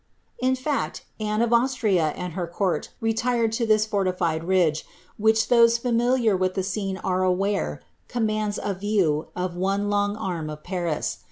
^' In fact, Anne of Austria and her court retired to is fortified ridge, which those familiar with the scene are aware com aods a view of one long arm of Paris.